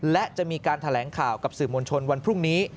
และจะมีการแถลงข่าวกับสื่อมวลชนวันพรุ่งนี้